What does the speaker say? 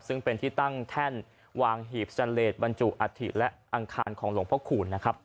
ซึ่งเป็นที่ตั้งแท่นวางหีบเสลดบรรจุอัฐิและอังคารของหลวงพระคูณนะครับ